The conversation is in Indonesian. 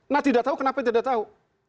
nah tidak tahu kenapa tidak tahu